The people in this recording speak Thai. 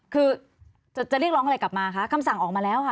คือจะเรียกร้องอะไรกลับมาคะคำสั่งออกมาแล้วค่ะ